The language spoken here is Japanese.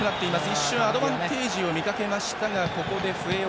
一瞬、アドバンテージをとりかけましたが、ここで笛。